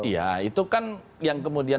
ya itu kan yang kemudian